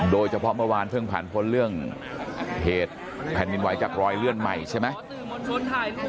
เมื่อวานเพิ่งผ่านพ้นเรื่องเหตุแผ่นดินไหวจากรอยเลื่อนใหม่ใช่ไหม